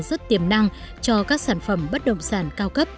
rất tiềm năng cho các sản phẩm bất động sản cao cấp